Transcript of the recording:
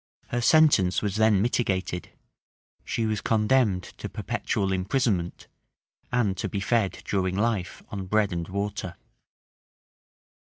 Her sentence was then mitigated: she was condemned to perpetual imprisonment, and to be fed during life on bread and water.